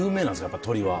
やっぱ鶏は。